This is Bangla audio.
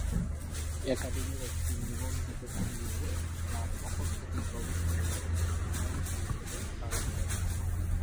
একাডেমি একটি নিবন্ধিত এনজিও যা তখন থেকেই গবেষণা-ভিত্তিক সংস্থা হিসেবে কাজ করে।